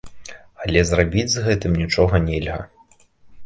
Але зрабіць з гэтым нічога нельга.